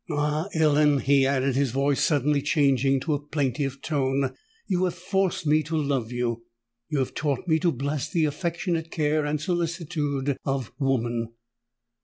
Ah! Ellen," he added, his voice suddenly changing to a plaintive tone, "you have forced me to love you—you have taught me to bless the affectionate care and solicitude of woman!"